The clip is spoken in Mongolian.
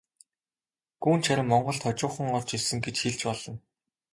Гүнж харин монголд хожуухан орж ирсэн гэж хэлж болно.